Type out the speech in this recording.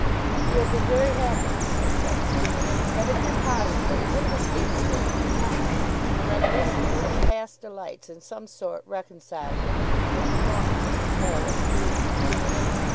He had been very happy when so placed. Had it been possible he would have escaped the danger now, but the reminiscence of past delights in some sort reconciled him to the performance of this perilous duty.